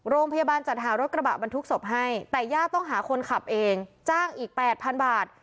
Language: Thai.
โรงพยาบาลจัดหารถกระบะบรรทุกศพให้แต่ย่าต้องหาคนขับเองจ้างอีก๘๐๐๐บาท